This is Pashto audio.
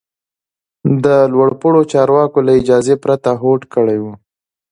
د لوړ پوړو چارواکو له اجازې پرته هوډ کړی و.